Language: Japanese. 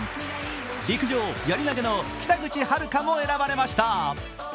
陸上やり投げの北口榛花も選ばれました。